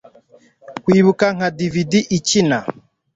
kwibuka nka dvd ikina